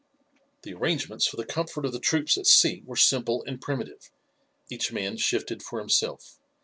The arrangements for the comfort of the troops at sea were simple and primitive. Each man shifted for himself.